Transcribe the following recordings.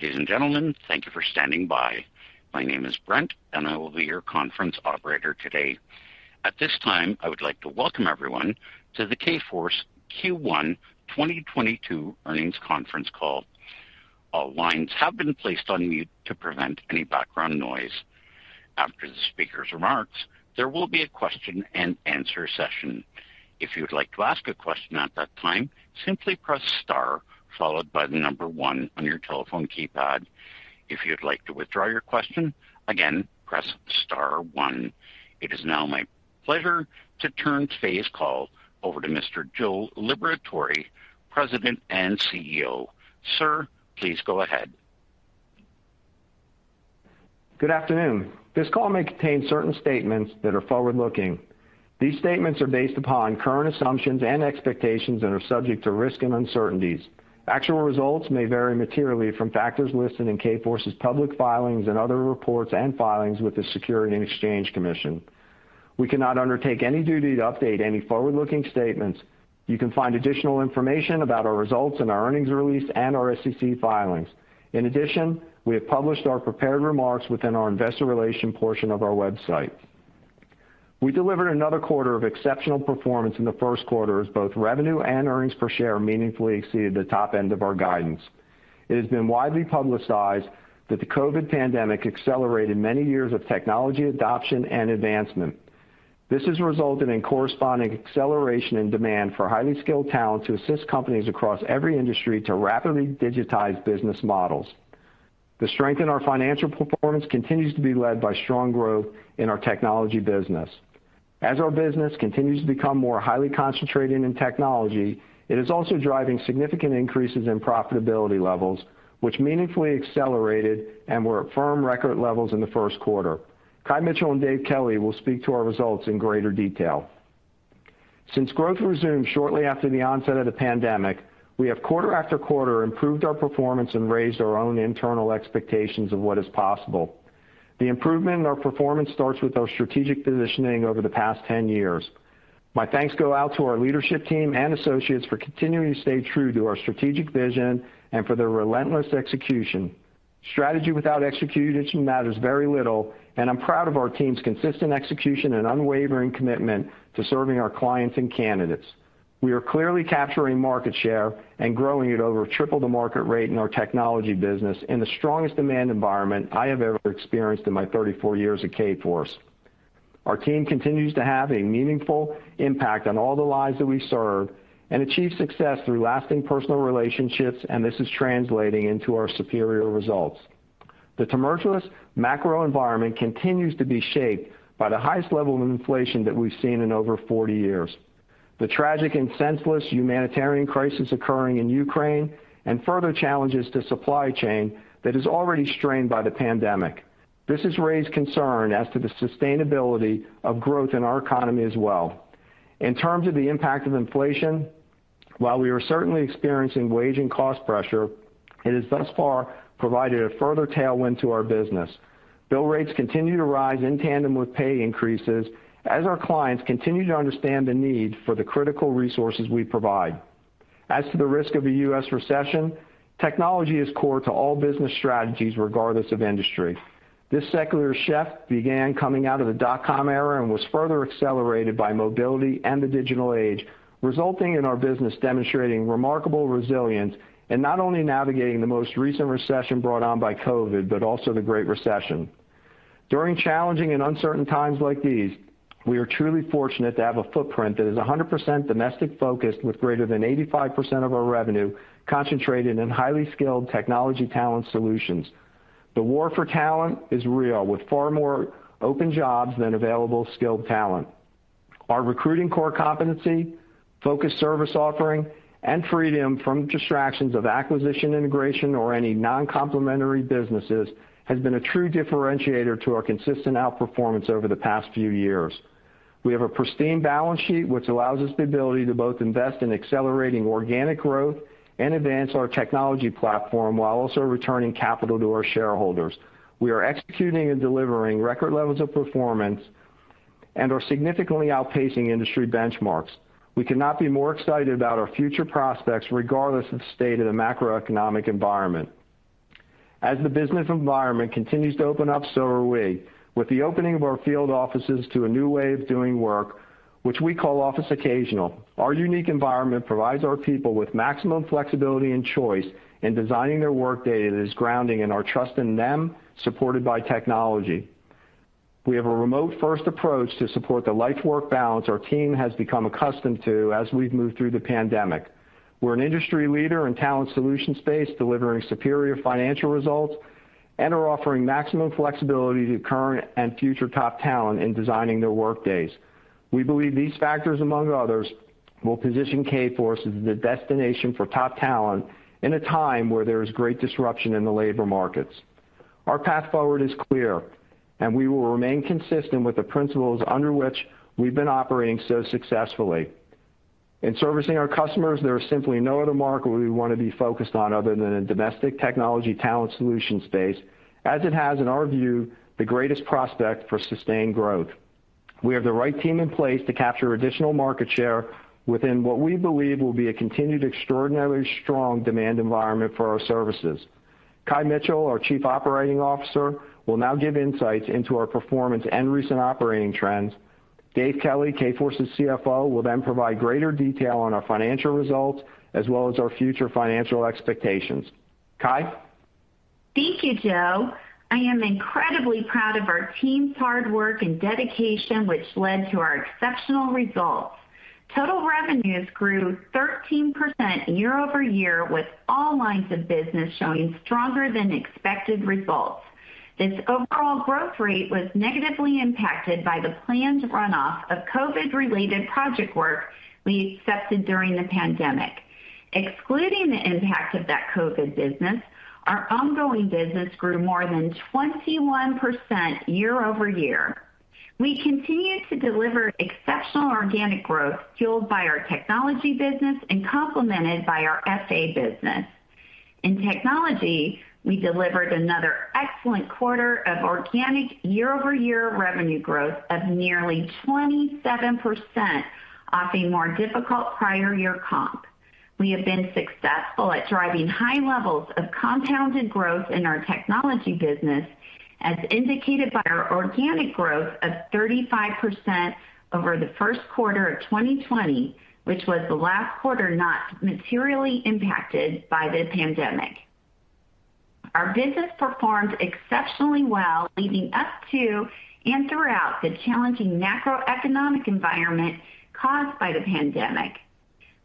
Ladies and gentlemen, thank you for standing by. My name is Brent, and I will be your conference operator today. At this time, I would like to welcome everyone to the Kforce Q1 2022 Earnings Conference Call. All lines have been placed on mute to prevent any background noise. After the speaker's remarks, there will be a Q&A session. If you would like to ask a question at that time, simply press star followed by the number one on your telephone keypad. If you'd like to withdraw your question again, press star one. It is now my pleasure to turn today's call over to Mr. Joe Liberatore, President and CEO. Sir, please go ahead. Good afternoon. This call may contain certain statements that are forward-looking. These statements are based upon current assumptions and expectations and are subject to risks and uncertainties. Actual results may vary materially from factors listed in Kforce's public filings and other reports and filings with the Securities and Exchange Commission. We cannot undertake any duty to update any forward-looking statements. You can find additional information about our results in our earnings release and our SEC filings. In addition, we have published our prepared remarks within our investor relations portion of our website. We delivered another quarter of exceptional performance in the first quarter as both revenue and earnings per share meaningfully exceeded the top end of our guidance. It has been widely publicized that the COVID pandemic accelerated many years of technology adoption and advancement. This has resulted in corresponding acceleration and demand for highly skilled talent to assist companies across every industry to rapidly digitize business models. The strength in our financial performance continues to be led by strong growth in our technology business. As our business continues to become more highly concentrated in technology, it is also driving significant increases in profitability levels, which meaningfully accelerated and were at firm record levels in the first quarter. Kye Mitchell and Dave Kelly will speak to our results in greater detail. Since growth resumed shortly after the onset of the pandemic, we have quarter after quarter improved our performance and raised our own internal expectations of what is possible. The improvement in our performance starts with our strategic positioning over the past 10 years. My thanks go out to our leadership team and associates for continuing to stay true to our strategic vision and for their relentless execution. Strategy without execution matters very little, and I'm proud of our team's consistent execution and unwavering commitment to serving our clients and candidates. We are clearly capturing market share and growing at over triple the market rate in our technology business in the strongest demand environment I have ever experienced in my 34 years at Kforce. Our team continues to have a meaningful impact on all the lives that we serve and achieve success through lasting personal relationships, and this is translating into our superior results. The tumultuous macro environment continues to be shaped by the highest level of inflation that we've seen in over 40 years. The tragic and senseless humanitarian crisis occurring in Ukraine and further challenges to supply chain that is already strained by the pandemic. This has raised concern as to the sustainability of growth in our economy as well. In terms of the impact of inflation, while we are certainly experiencing wage and cost pressure, it has thus far provided a further tailwind to our business. Bill rates continue to rise in tandem with pay increases as our clients continue to understand the need for the critical resources we provide. As to the risk of a U.S. recession, technology is core to all business strategies, regardless of industry. This secular shift began coming out of the dot-com era and was further accelerated by mobility and the digital age, resulting in our business demonstrating remarkable resilience in not only navigating the most recent recession brought on by COVID, but also the Great Recession. During challenging and uncertain times like these, we are truly fortunate to have a footprint that is 100% domestic-focused, with greater than 85% of our revenue concentrated in highly skilled technology talent solutions. The war for talent is real, with far more open jobs than available skilled talent. Our recruiting core competency, focused service offering, and freedom from distractions of acquisition, integration, or any non-complementary businesses has been a true differentiator to our consistent out-performance over the past few years. We have a pristine balance sheet which allows us the ability to both invest in accelerating organic growth and advance our technology platform while also returning capital to our shareholders. We are executing and delivering record levels of performance and are significantly outpacing industry benchmarks. We cannot be more excited about our future prospects regardless of the state of the macroeconomic environment. As the business environment continues to open up, so are we. With the opening of our field offices to a new way of doing work, which we call Office Occasional, our unique environment provides our people with maximum flexibility and choice in designing their workday that is grounded in our trust in them, supported by technology. We have a remote-first approach to support the life-work balance our team has become accustomed to as we've moved through the pandemic. We're an industry leader in talent solution space, delivering superior financial results, and are offering maximum flexibility to current and future top talent in designing their workdays. We believe these factors, among others, will position Kforce as the destination for top talent in a time where there is great disruption in the labor markets. Our path forward is clear, and we will remain consistent with the principles under which we've been operating so successfully. In servicing our customers, there is simply no other market we want to be focused on other than a domestic technology talent solution space as it has, in our view, the greatest prospect for sustained growth. We have the right team in place to capture additional market share within what we believe will be a continued extraordinarily strong demand environment for our services. Kye Mitchell, our Chief Operations Officer, will now give insights into our performance and recent operating trends. Dave Kelly, Kforce's CFO, will then provide greater detail on our financial results as well as our future financial expectations. Kye? Thank you, Joe. I am incredibly proud of our team's hard work and dedication, which led to our exceptional results. Total revenues grew 13% year-over-year with all lines of business showing stronger than expected results. This overall growth rate was negatively impacted by the planned runoff of COVID-related project work we accepted during the pandemic. Excluding the impact of that COVID business, our ongoing business grew more than 21% year-over-year. We continued to deliver exceptional organic growth fueled by our technology business and complemented by our F&A business. In technology, we delivered another excellent quarter of organic year-over-year revenue growth of nearly 27% off a more difficult prior year comp. We have been successful at driving high levels of compounded growth in our technology business, as indicated by our organic growth of 35% over the first quarter of 2020, which was the last quarter not materially impacted by the pandemic. Our business performed exceptionally well leading up to and throughout the challenging macroeconomic environment caused by the pandemic.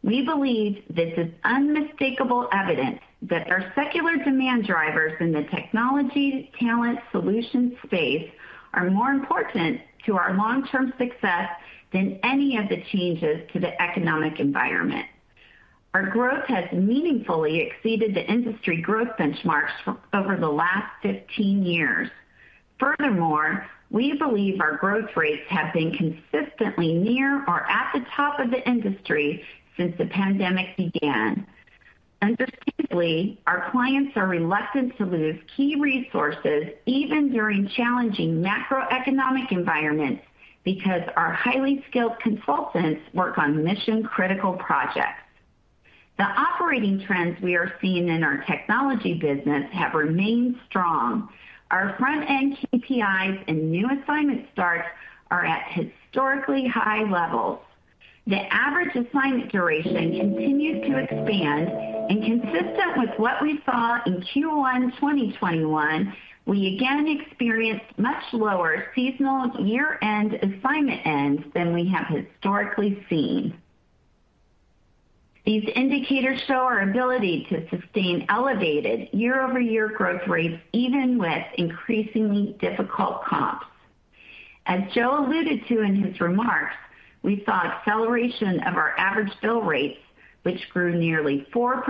We believe this is unmistakable evidence that our secular demand drivers in the technology talent solutions space are more important to our long-term success than any of the changes to the economic environment. Our growth has meaningfully exceeded the industry growth benchmarks over the last 15 years. Furthermore, we believe our growth rates have been consistently near or at the top of the industry since the pandemic began. Understandably, our clients are reluctant to lose key resources even during challenging macroeconomic environments because our highly skilled consultants work on mission-critical projects. The operating trends we are seeing in our technology business have remained strong. Our front-end KPIs and new assignment starts are at historically high levels. The average assignment duration continued to expand and consistent with what we saw in Q1 2021, we again experienced much lower seasonal year-end assignment ends than we have historically seen. These indicators show our ability to sustain elevated year-over-year growth rates even with increasingly difficult comps. As Joe alluded to in his remarks, we saw acceleration of our average bill rates, which grew nearly 4%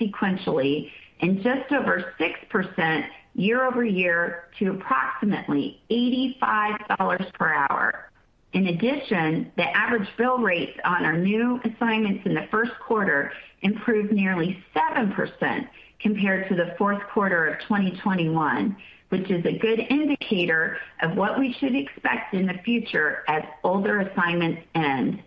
sequentially and just over 6% year-over-year to approximately $85 per hour. In addition, the average bill rates on our new assignments in the first quarter improved nearly 7% compared to the fourth quarter of 2021, which is a good indicator of what we should expect in the future as older assignments end.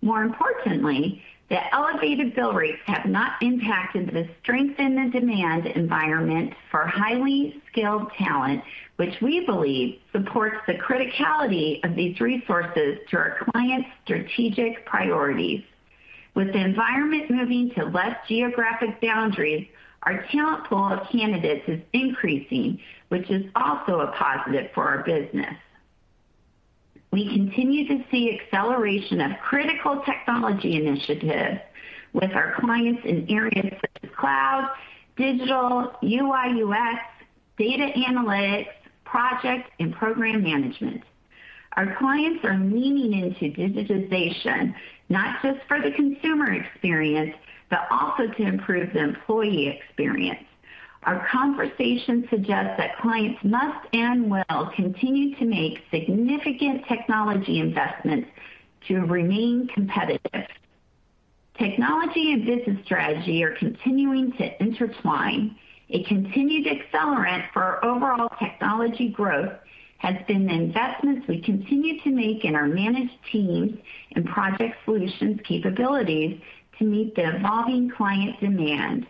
More importantly, the elevated bill rates have not impacted the strength in the demand environment for highly skilled talent, which we believe supports the criticality of these resources to our clients' strategic priorities. With the environment moving to less geographic boundaries, our talent pool of candidates is increasing, which is also a positive for our business. We continue to see acceleration of critical technology initiatives with our clients in areas such as cloud, digital, UI/UX, data analytics, project and program management. Our clients are leaning into digitization, not just for the consumer experience, but also to improve the employee experience. Our conversations suggest that clients must and will continue to make significant technology investments to remain competitive. Technology and business strategy are continuing to intertwine. A continued accelerant for our overall technology growth has been the investments we continue to make in our managed teams and solutions capabilities to meet the evolving client demand.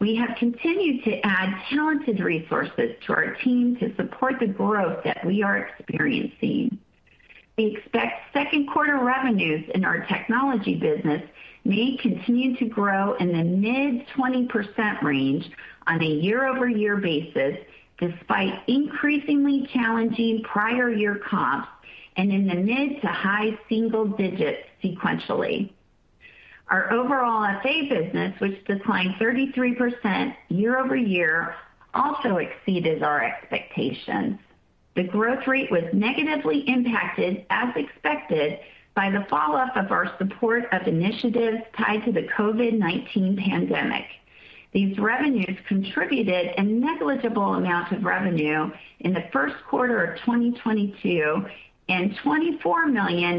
We have continued to add talented resources to our team to support the growth that we are experiencing. We expect second quarter revenues in our technology business may continue to grow in the mid-20% range on a year-over-year basis, despite increasingly challenging prior year comps and in the mid- to high-single digits sequentially. Our overall F&A business, which declined 33% year-over-year, also exceeded our expectations. The growth rate was negatively impacted, as expected, by the falloff of our support of initiatives tied to the COVID-19 pandemic. These revenues contributed a negligible amount of revenue in the first quarter of 2022 and $24 million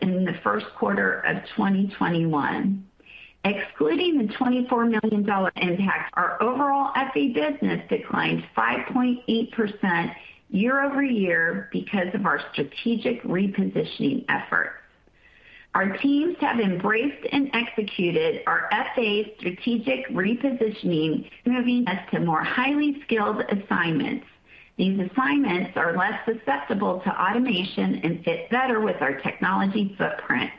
in the first quarter of 2021. Excluding the $24 million impact, our overall F&A business declined 5.8% year-over-year because of our strategic repositioning efforts. Our teams have embraced and executed our F&A strategic repositioning, moving us to more highly skilled assignments. These assignments are less susceptible to automation and fit better with our technology footprint.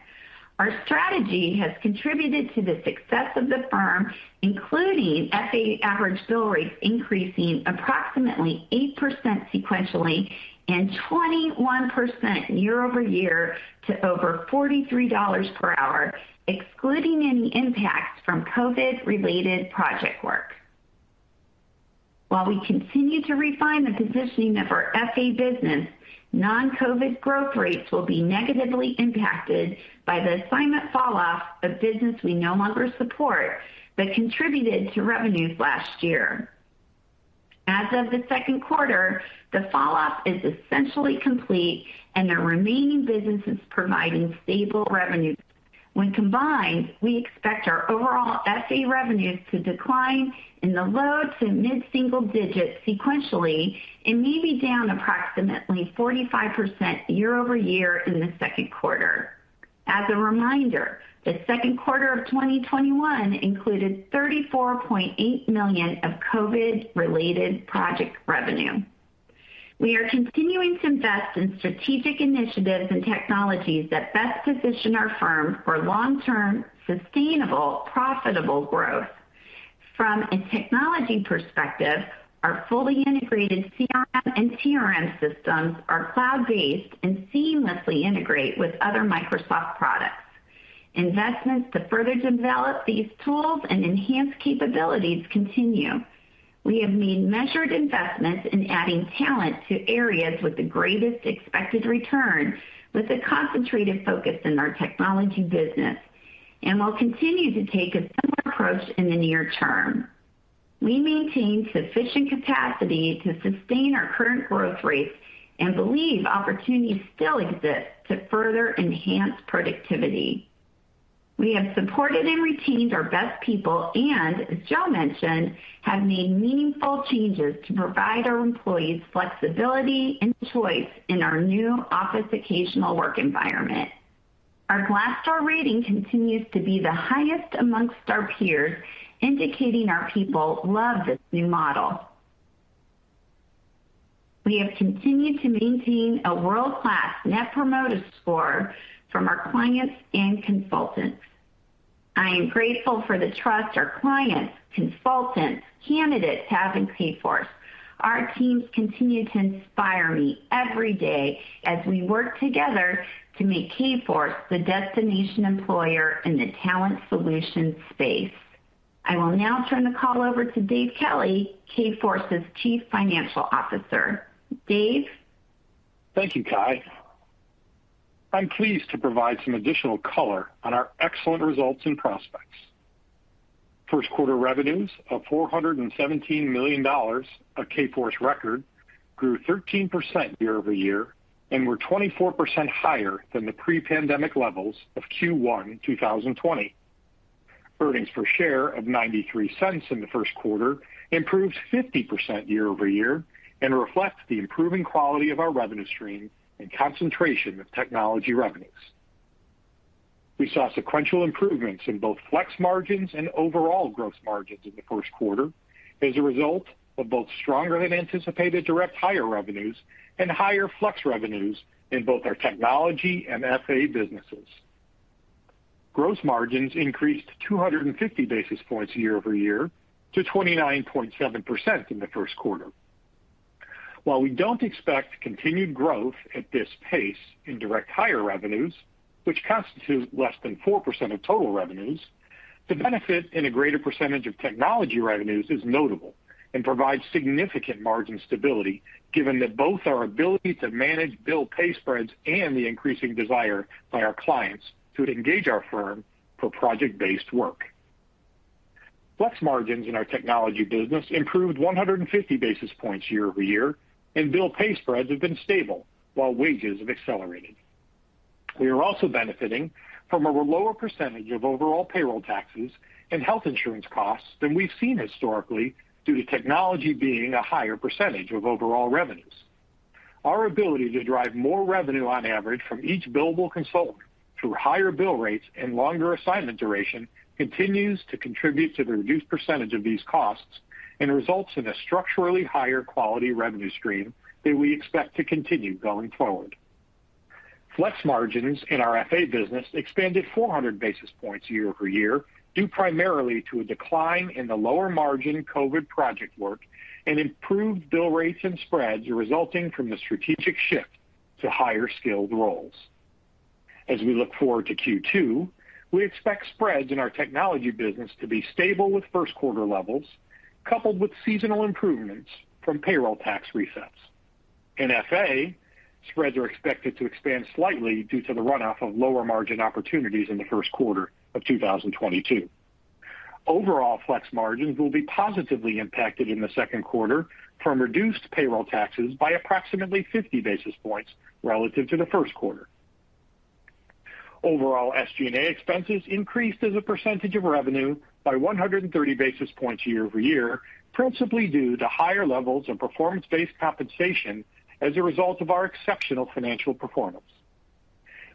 Our strategy has contributed to the success of the firm, including F&A average bill rates increasing approximately 8% sequentially and 21% year-over-year to over $43 per hour, excluding any impacts from COVID-related project work. While we continue to refine the positioning of our F&A business, non-COVID growth rates will be negatively impacted by the assignment falloff of business we no longer support but contributed to revenues last year. As of the second quarter, the falloff is essentially complete and the remaining business is providing stable revenue. When combined, we expect our overall F&A revenues to decline in the low- to mid-single digits sequentially and may be down approximately 45% year-over-year in the second quarter. As a reminder, the second quarter of 2021 included $34.8 million of COVID-related project revenue. We are continuing to invest in strategic initiatives and technologies that best position our firm for long-term, sustainable, profitable growth. From a technology perspective, our fully integrated CRM and TRM systems are cloud-based and seamlessly integrate with other Microsoft products. Investments to further develop these tools and enhance capabilities continue. We have made measured investments in adding talent to areas with the greatest expected return with a concentrated focus in our technology business, and we'll continue to take a similar approach in the near term. We maintain sufficient capacity to sustain our current growth rates and believe opportunities still exist to further enhance productivity. We have supported and retained our best people and, as Joe mentioned, have made meaningful changes to provide our employees flexibility and choice in our new Office Occasional work environment. Our Glassdoor rating continues to be the highest among our peers, indicating our people love this new model. We have continued to maintain a world-class Net Promoter Score from our clients and consultants. I am grateful for the trust our clients, consultants, candidates have in Kforce. Our teams continue to inspire me every day as we work together to make Kforce the destination employer in the talent solutions space. I will now turn the call over to Dave Kelly, Kforce's Chief Financial Officer. Dave? Thank you, Kye. I'm pleased to provide some additional color on our excellent results and prospects. First quarter revenues of $417 million, a Kforce record, grew 13% year-over-year and were 24% higher than the pre-pandemic levels of Q1 in 2020. Earnings per share of $0.93 in the first quarter improved 50% year-over-year and reflects the improving quality of our revenue stream and concentration of technology revenues. We saw sequential improvements in both flex margins and overall gross margins in the first quarter as a result of both stronger than anticipated direct hire revenues and higher flex revenues in both our technology and F&A businesses. Gross margins increased 250 basis points year-over-year to 29.7% in the first quarter. While we don't expect continued growth at this pace in direct hire revenues, which constitutes less than 4% of total revenues, the benefit in a greater percentage of technology revenues is notable and provides significant margin stability, given that both our ability to manage bill-pay spreads and the increasing desire by our clients to engage our firm for project-based work. Flex margins in our technology business improved 150 basis points year-over-year, and bill-pay spreads have been stable while wages have accelerated. We are also benefiting from a lower percentage of overall payroll taxes and health insurance costs than we've seen historically, due to technology being a higher percentage of overall revenues. Our ability to drive more revenue on average from each billable consultant through higher bill rates and longer assignment duration continues to contribute to the reduced percentage of these costs and results in a structurally higher quality revenue stream that we expect to continue going forward. Flex margins in our F&A business expanded 400 basis points year-over-year, due primarily to a decline in the lower margin COVID project work and improved bill rates and spreads resulting from the strategic shift to higher skilled roles. As we look forward to Q2, we expect spreads in our technology business to be stable with first quarter levels, coupled with seasonal improvements from payroll tax resets. In FA, spreads are expected to expand slightly due to the runoff of lower margin opportunities in the first quarter of 2022. Overall flex margins will be positively impacted in the second quarter from reduced payroll taxes by approximately 50 basis points relative to the first quarter. Overall, SG&A expenses increased as a percentage of revenue by 130 basis points year-over-year, principally due to higher levels of performance-based compensation as a result of our exceptional financial performance.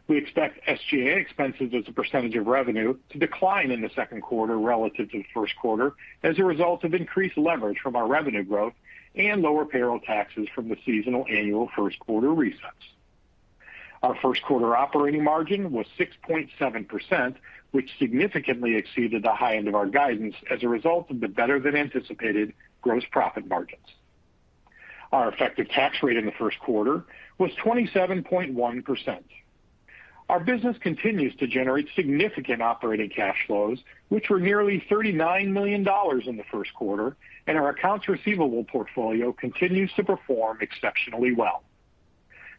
We expect SG&A expenses as a percentage of revenue to decline in the second quarter relative to the first quarter as a result of increased leverage from our revenue growth and lower payroll taxes from the seasonal annual first quarter resets. Our first quarter operating margin was 6.7%, which significantly exceeded the high end of our guidance as a result of the better-than-anticipated gross profit margins. Our effective tax rate in the first quarter was 27.1%. Our business continues to generate significant operating cash flows, which were nearly $39 million in the first quarter, and our accounts receivable portfolio continues to perform exceptionally well.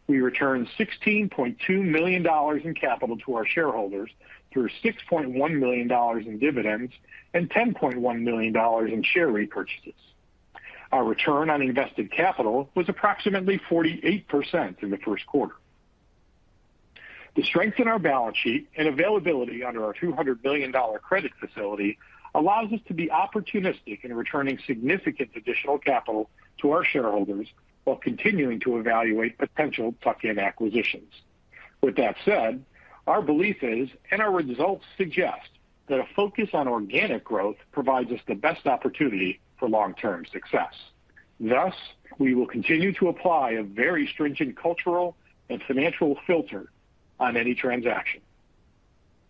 We returned $16.2 million in capital to our shareholders through $6.1 million in dividends and $10.1 million in share repurchases. Our return on invested capital was approximately 48% in the first quarter. The strength in our balance sheet and availability under our $200 million credit facility allows us to be opportunistic in returning significant additional capital to our shareholders while continuing to evaluate potential tuck-in acquisitions. With that said, our belief is, and our results suggest, that a focus on organic growth provides us the best opportunity for long-term success. Thus, we will continue to apply a very stringent cultural and financial filter on any transaction.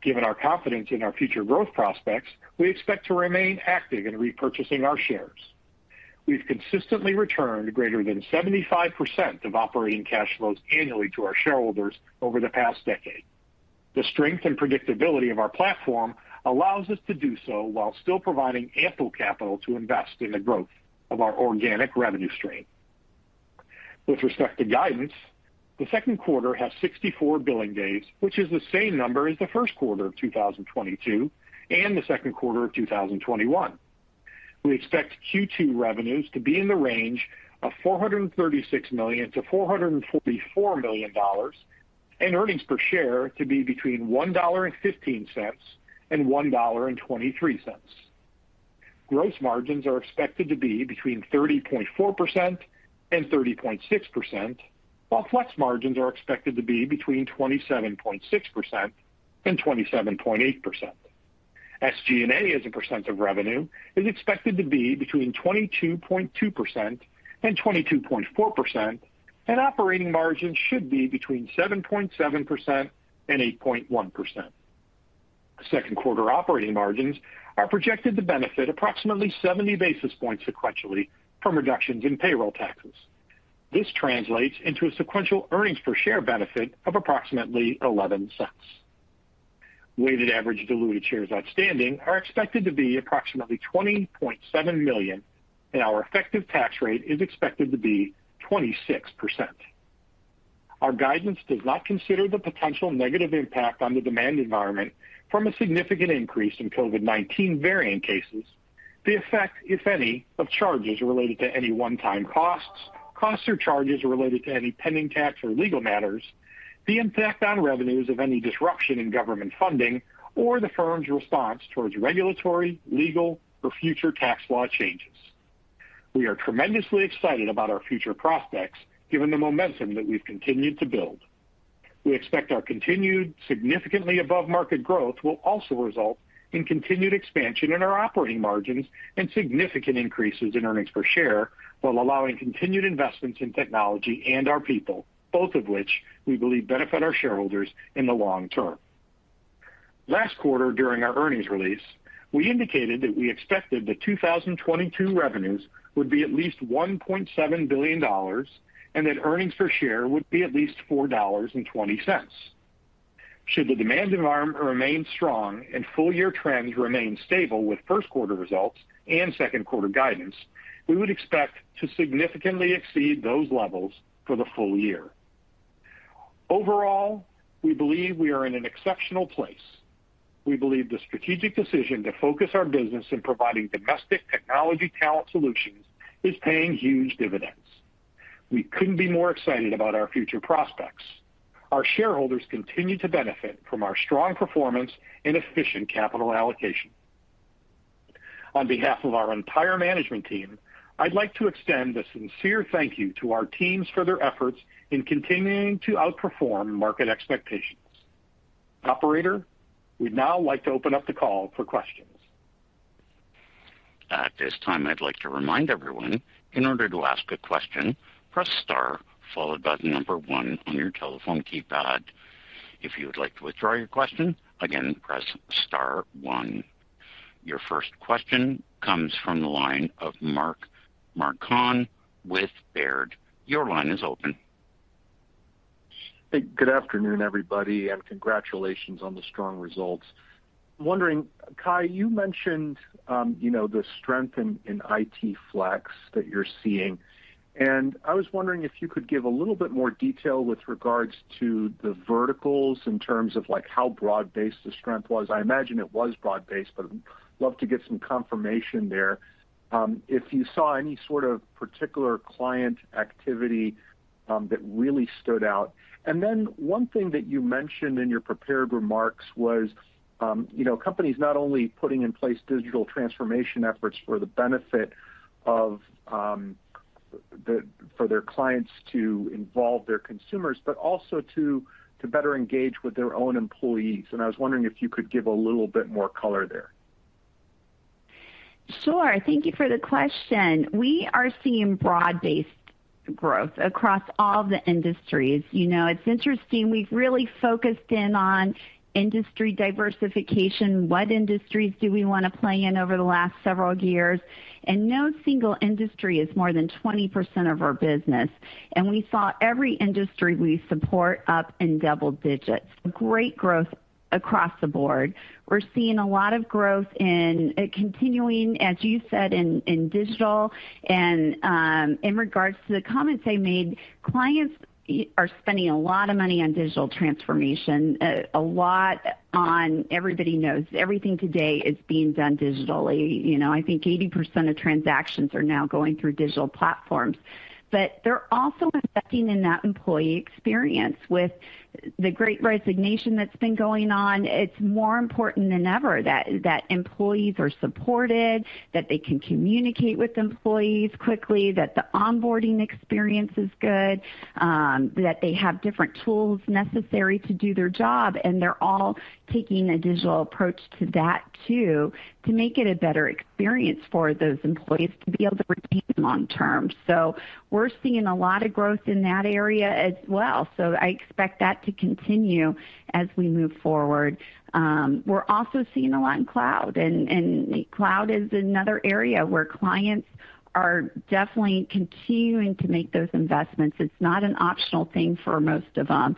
Given our confidence in our future growth prospects, we expect to remain active in repurchasing our shares. We've consistently returned greater than 75% of operating cash flows annually to our shareholders over the past decade. The strength and predictability of our platform allows us to do so while still providing ample capital to invest in the growth of our organic revenue stream. With respect to guidance, the second quarter has 64 billing days, which is the same number as the first quarter of 2022 and the second quarter of 2021. We expect Q2 revenues to be in the range of $436 million to $444 million and earnings per share to be between $1.15 and $1.23. Gross margins are expected to be between 30.4% and 30.6%, while flex margins are expected to be between 27.6% and 27.8%. SG&A as a percent of revenue is expected to be between 22.2% and 22.4%, and operating margins should be between 7.7% and 8.1%. Second quarter operating margins are projected to benefit approximately 70 basis points sequentially from reductions in payroll taxes. This translates into a sequential earnings per share benefit of approximately 11 cents. Weighted average diluted shares outstanding are expected to be approximately 20.7 million, and our effective tax rate is expected to be 26%. Our guidance does not consider the potential negative impact on the demand environment from a significant increase in COVID-19 variant cases, the effect, if any, of charges related to any one-time costs or charges related to any pending tax or legal matters, the impact on revenues of any disruption in government funding, or the firm's response towards regulatory, legal, or future tax law changes. We are tremendously excited about our future prospects, given the momentum that we've continued to build. We expect our continued significantly above-market growth will also result in continued expansion in our operating margins and significant increases in earnings per share, while allowing continued investments in technology and our people, both of which we believe benefit our shareholders in the long term. Last quarter, during our earnings release, we indicated that we expected the 2022 revenues would be at least $1.7 billion and that earnings per share would be at least $4.20. Should the demand environment remain strong and full year trends remain stable with first quarter results and second quarter guidance, we would expect to significantly exceed those levels for the full year. Overall, we believe we are in an exceptional place. We believe the strategic decision to focus our business in providing domestic technology talent solutions is paying huge dividends. We couldn't be more excited about our future prospects. Our shareholders continue to benefit from our strong performance and efficient capital allocation. On behalf of our entire management team, I'd like to extend a sincere thank you to our teams for their efforts in continuing to outperform market expectations. Operator, we'd now like to open up the call for questions. At this time, I'd like to remind everyone, in order to ask a question, press star followed by the number one on your telephone keypad. If you would like to withdraw your question, again, press star one. Your first question comes from the line of Mark Marcon with Baird. Your line is open. Hey, good afternoon, everybody, and congratulations on the strong results. Wondering, Kye, you mentioned, you know, the strength in IT Flex that you're seeing, and I was wondering if you could give a little bit more detail with regard to the verticals in terms of, like, how broad-based the strength was. I imagine it was broad-based, but love to get some confirmation there. If you saw any sort of particular client activity that really stood out. One thing that you mentioned in your prepared remarks was, you know, companies not only putting in place digital transformation efforts for the benefit of their clients to involve their consumers, but also to better engage with their own employees. I was wondering if you could give a little bit more color there. Sure. Thank you for the question. We are seeing broad-based growth across all the industries. You know, it's interesting, we've really focused in on industry diversification, what industries do we want to play in over the last several years, and no single industry is more than 20% of our business. We saw every industry we support up in double-digits. Great growth across the board. We're seeing a lot of growth in continuing, as you said, in digital. In regards to the comments I made, clients are spending a lot of money on digital transformation. Everybody knows everything today is being done digitally. You know, I think 80% of transactions are now going through digital platforms. They're also investing in that employee experience. With the Great Resignation that's been going on, it's more important than ever that employees are supported, that they can communicate with employees quickly, that the onboarding experience is good, that they have different tools necessary to do their job. They're all taking a digital approach to that too, to make it a better experience for those employees to be able to retain them long term. We're seeing a lot of growth in that area as well. I expect that to continue as we move forward. We're also seeing a lot in cloud, and cloud is another area where clients are definitely continuing to make those investments. It's not an optional thing for most of them,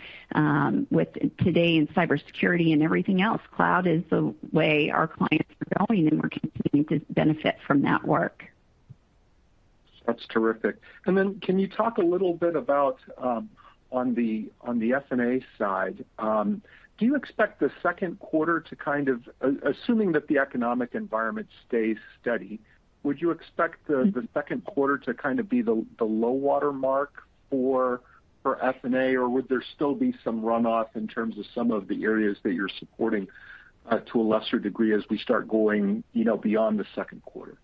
with today in cybersecurity and everything else. Cloud is the way our clients are going, and we're continuing to benefit from that work. That's terrific. Can you talk a little bit about on the F&A side, do you expect the second quarter to kind of, assuming that the economic environment stays steady, would you expect the second quarter to kind be the low water mark for F&A or there still be some runoff in terms of some of the areas that you're supporting to a lesser degree as we start going, you know, beyond the second quarter?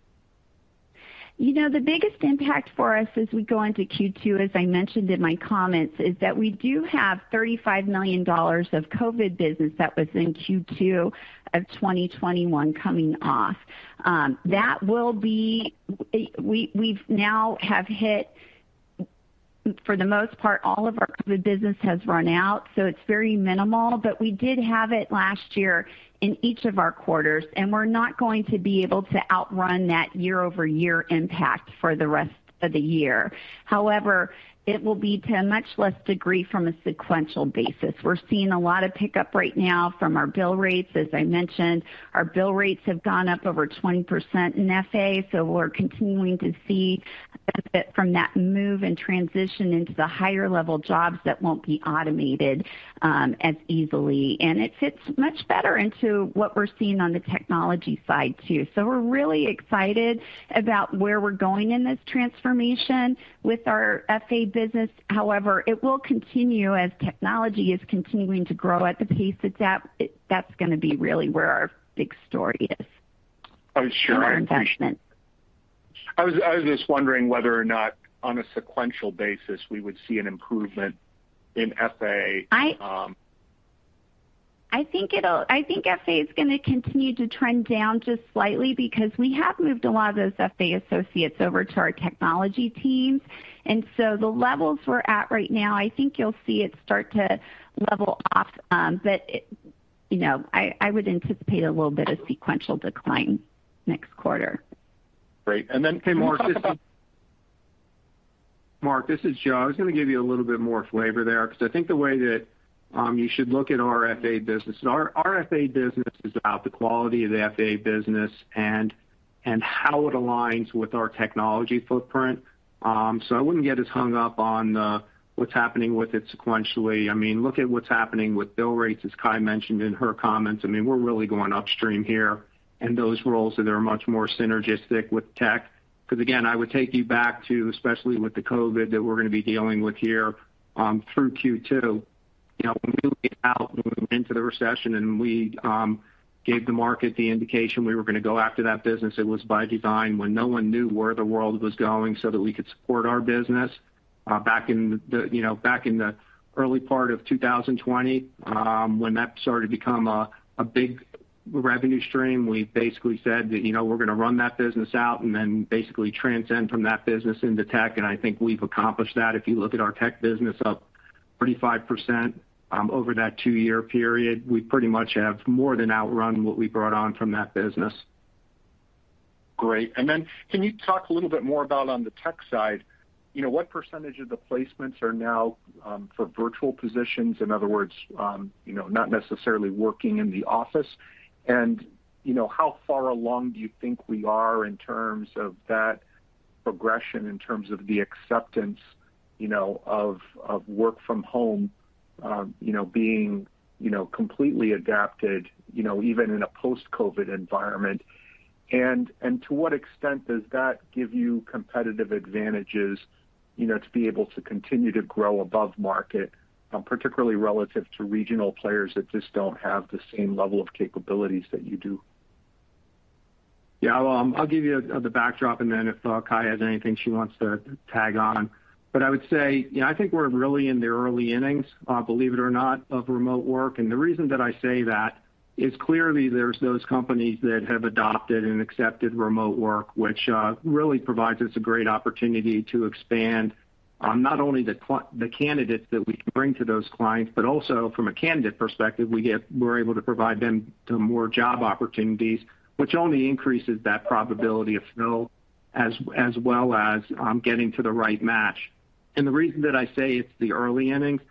You know, the biggest impact for us as we go into Q2, as I mentioned in my comments, is that we do have $35 million of COVID business that was in Q2 of 2021 coming off. That will be, we've now hit, for the most part, all of our COVID business has run out, so it's very minimal. We did have it last year in each of our quarters, and we're not going to be able to outrun that year-over-year impact for the rest of the year. However, it will be to a much less degree from a sequential basis. We're seeing a lot of pickup right now from our bill rates. As I mentioned, our bill rates have gone up over 20% in F&A, so we're continuing to see benefit from that move and transition into the higher level jobs that won't be automated as easily. It fits much better into what we're seeing on the technology side too. We're really excited about where we're going in this transformation with our F&A business. However, it will continue as technology is continuing to grow at the pace it's at. That's gonna be really where our big story is. Oh, sure. I appreciate. In our investment. I was just wondering whether or not on a sequential basis, we would see an improvement in F&A? I think F&A is gonna continue to trend down just slightly because we have moved a lot of those F&A associates over to our technology teams. The levels we're at right now, I think you'll see it start to level off, but, you know, I would anticipate a little bit of sequential decline next quarter. Great. Hey, Mark, this is. Mark, this is Joe. I was gonna give you a little bit more flavor there because I think the way that you should look at our F&A business. Our F&A business is about the quality of the F&A business and how it aligns with our technology footprint. I wouldn't get as hung up on what's happening with it sequentially. I mean, look at what's happening with bill rates, as Kye mentioned in her comments. I mean, we're really going upstream here in those roles, and they're much more synergistic with tech. Because again, I would take you back to, especially with the COVID that we're going to be dealing with here through Q2. You know, when we went into the recession and we gave the market the indication we were going to go after that business, it was by design when no one knew where the world was going so that we could support our business, you know, back in the early part of 2020, when that started to become a big revenue stream. We basically said that, you know, we're gonna run that business out and then basically transcend from that business into tech, and I think we've accomplished that. If you look at our tech business up 35% over that two-year period, we pretty much have more than outrun what we brought on from that business. Great. Can you talk a little bit more about on the tech side, you know, what percentage of the placements are now for virtual positions? In other words, you know, not necessarily working in the office. You know, how far along do you think we are in terms of that progression, in terms of the acceptance, you know, of work from home, you know, being completely adapted, you know, even in a post-COVID environment? To what extent does that give you competitive advantages, you know, to be able to continue to grow above market, particularly relative to regional players that just don't have the same level of capabilities that you do? Yeah. Well, I'll give you the backdrop, and then if Kye has anything she wants to tag on. I would say, you know, I think we're really in the early innings, believe it or not, of remote work. The reason that I say that is clearly there's those companies that have adopted and accepted remote work, which really provides us a great opportunity to expand, not only the candidates that we can bring to those clients, but also from a candidate perspective, we're able to provide them to more job opportunities, which only increases that probability of fill, as well as getting to the right match. The reason that I say it's the early innings,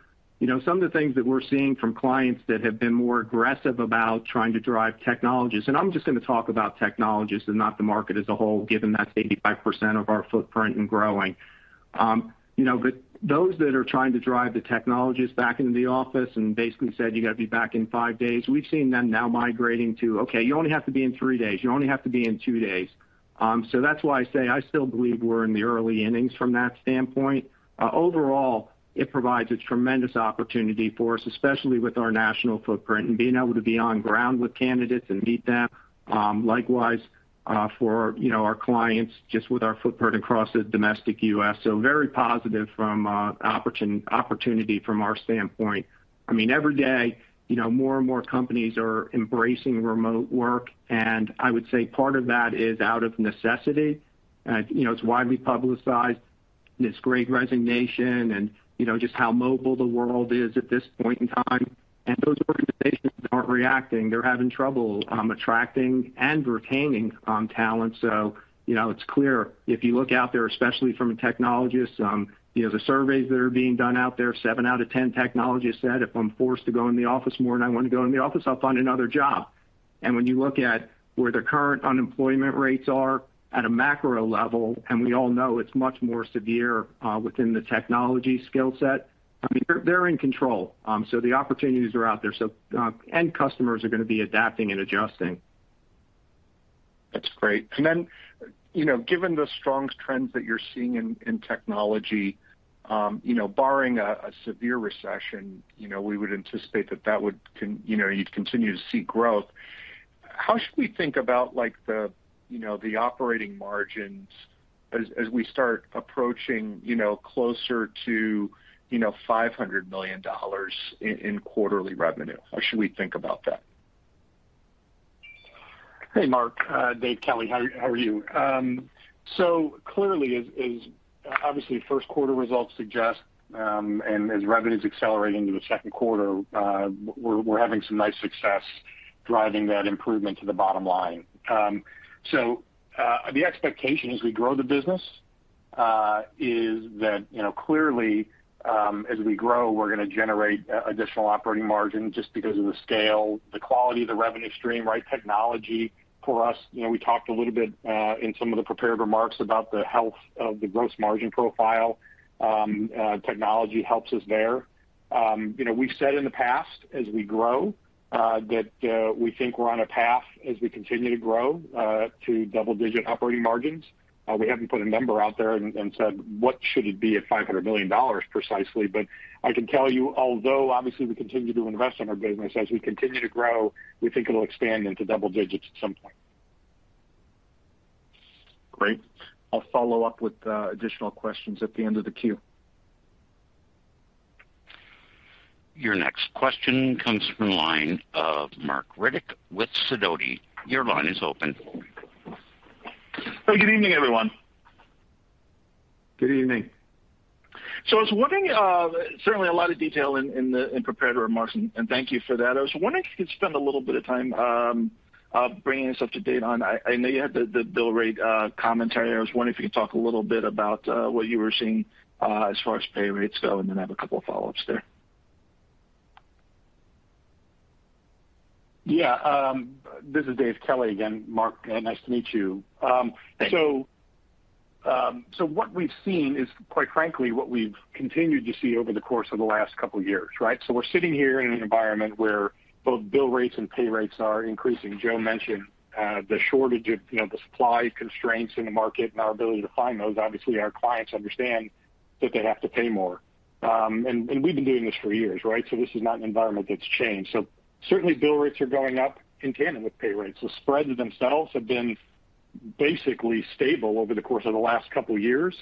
you know, some of the things that we're seeing from clients that have been more aggressive about trying to drive technologists, and I'm just gonna talk about technologists and not the market as a whole, given that's 85% of our footprint and growing. You know, but those that are trying to drive the technologists back into the office and basically said, "You gotta be back in five days," we've seen them now migrating to, "Okay, you only have to be in three days. You only have to be in two days." So that's why I say I still believe we're in the early innings from that standpoint. Overall, it provides a tremendous opportunity for us, especially with our national footprint and being able to be on ground with candidates and meet them. Likewise, for you know, our clients just with our footprint across the domestic U.S. Very positive from opportunity from our standpoint. I mean, every day, you know, more and more companies are embracing remote work, and I would say part of that is out of necessity. You know, it's widely publicized, this Great Resignation and, you know, just how mobile the world is at this point in time. Those organizations that aren't reacting, they're having trouble attracting and retaining talent. You know, it's clear if you look out there, especially from a technologist, you know, the surveys that are being done out there, seven out of ten technologists said, "If I'm forced to go in the office more than I want to go in the office, I'll find another job." When you look at where the current unemployment rates are at a macro level, and we all know it's much more severe within the technology skill set, I mean, they're in control. The opportunities are out there. End customers are gonna be adapting and adjusting. That's great. You know, given the strong trends that you're seeing in technology, you know, barring a severe recession, you know, we would anticipate that you'd continue to see growth. How should we think about, like, the you know, the operating margins as we start approaching, you know, closer to, you know, $500 million in quarterly revenue? How should we think about that? Hey, Mark. Dave Kelly. How are you? Clearly as obviously first quarter results suggest, and as revenues accelerate into the second quarter, we're having some nice success driving that improvement to the bottom line. The expectation as we grow the business is that, you know, clearly, as we grow, we're gonna generate additional operating margin just because of the scale, the quality of the revenue stream, right? Technology for us, you know, we talked a little bit in some of the prepared remarks about the health of the gross margin profile. Technology helps us there. You know, we've said in the past as we grow that we think we're on a path as we continue to grow to double-digit operating margins. We haven't put a number out there and said what should it be at $500 million precisely. I can tell you, although obviously we continue to invest in our business, as we continue to grow, we think it'll expand into double digits at some point. Great. I'll follow up with additional questions at the end of the queue. Your next question comes from the line of Marc Riddick with Sidoti. Your line is open. Hey, good evening, everyone. Good evening. I was wondering, certainly a lot of detail in the prepared remarks, and thank you for that. I was wondering if you could spend a little bit of time bringing us up to date on. I know you had the bill rate commentary. I was wondering if you could talk a little bit about what you were seeing as far as pay rates go, and then I have a couple of follow-ups there? Yeah. This is Dave Kelly again. Mark, nice to meet you. Thank you. What we've seen is, quite frankly, what we've continued to see over the course of the last couple years, right? We're sitting here in an environment where both bill rates and pay rates are increasing. Joe mentioned the shortage of, you know, the supply constraints in the market and our ability to find those. Obviously, our clients understand that they have to pay more. We've been doing this for years, right? This is not an environment that's changed. Certainly bill rates are going up in tandem with pay rates. The spreads themselves have been basically stable over the course of the last couple years.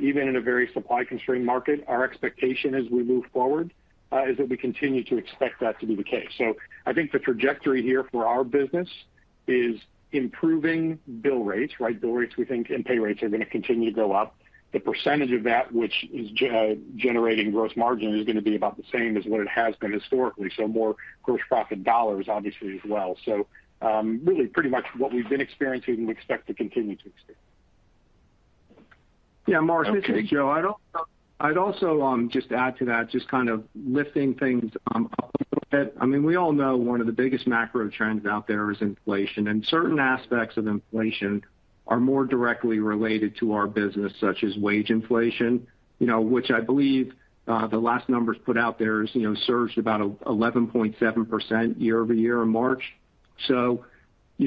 Even in a very supply constrained market, our expectation as we move forward is that we continue to expect that to be the case. I think the trajectory here for our business is improving bill rates, right? Bill rates, we think, and pay rates are gonna continue to go up. The percentage of that which is generating gross margin is gonna be about the same as what it has been historically, so more gross profit dollars obviously as well. Really pretty much what we've been experiencing, we expect to continue to expect. Yeah, Mark, this is Joe. I'd also just add to that, just kind of lifting things up a little bit. I mean, we all know one of the biggest macro trends out there is inflation, and certain aspects of inflation are more directly related to our business, such as wage inflation, you know, which I believe, the last numbers put out there is, you know, surged about 11.7% year-over-year in March. You